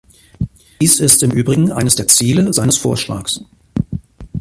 Dies ist im Übrigen eines der Ziele seines Vorschlags.